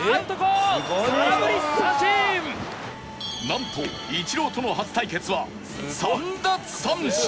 なんとイチローとの初対決は３奪三振